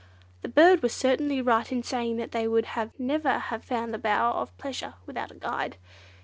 The bird was certainly right in saying that they would never have found the Bower of Pleasure without a guide.